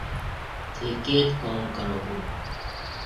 ٿَي ڪيٿ ڪوم ڪرون هون